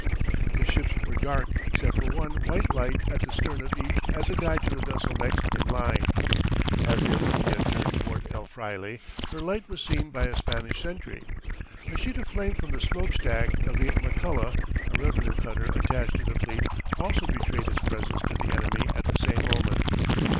The ships were dark except for one white light at the stern of each as a guide to the vessel next in line. As the Olympia turned toward El Fraile her light was seen by a Spanish sentry. A sheet of flame from the smokestack of the McCulloch, a revenue cutter attached to the fleet, also betrayed its presence to the enemy at the same moment.